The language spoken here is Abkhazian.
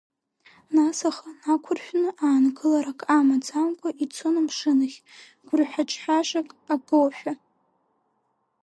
Нас ахы нақәыршәны, аангыларак амаӡамкәа ицон амшын ахь, гәырӷьаҿҳәашак агошәа.